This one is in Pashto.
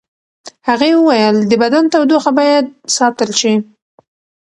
هغې وویل د بدن تودوخه باید ساتل شي.